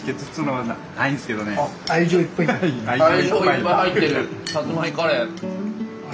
愛情いっぱい入ってるたつまいカレー。